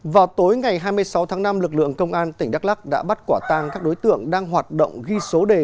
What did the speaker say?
vào tối ngày hai mươi sáu tháng năm lực lượng công an tỉnh đắk lắc đã bắt quả tang các đối tượng đang hoạt động ghi số đề